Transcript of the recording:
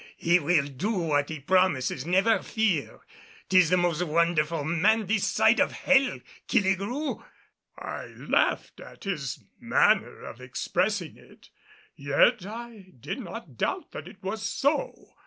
He will do what he promises, never fear. 'Tis the most wonderful man this side of hell, Killigrew!" [C] An instrument of torture. I laughed at his manner of expressing it. Yet I did not doubt that it was so.